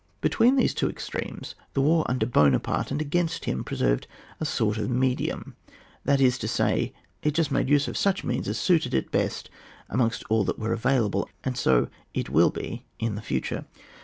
Between these two extremes the war under Buonaparte, and against him, preserved a sort of medium, that is to say, it just made use of such means as suited it best amongst all that were available; and so it will be also in future.